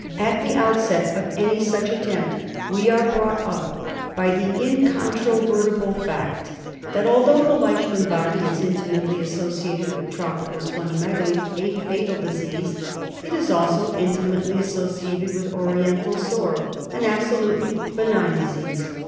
At the outset of any such attempt we are brought up by the incontrovertible fact #'•'.'.'.;■■■>*■«*«».*• •y *i^V ^ II i^ KALA AZAR. I47 that, although the Leishman body is intimately associated with tropical spleno megaly, a fatal disease, it is also intimately associated with Oriental Sore, an absolutely benign diease.